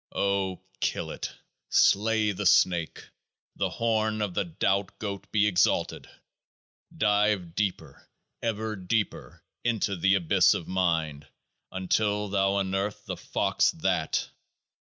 O kill it ! Slay the snake ! The horn of the Doubt Goat be exalted ! Dive deeper, ever deeper, into the Abyss of Mind, until thou unearth the fox THAT.